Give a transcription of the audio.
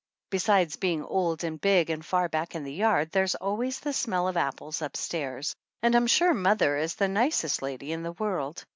Besides being old and big and far back in the yard, there's always the smell of apples up stairs. And I'm sure mother is the nicest lady in the world.